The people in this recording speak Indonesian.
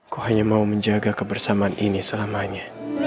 kau hanya mau menjaga kebersamaan ini selamanya